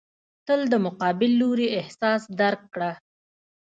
تل د مقابل لوري احساس درک کړه.